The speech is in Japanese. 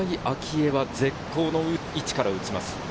愛は絶好の位置から打ちます。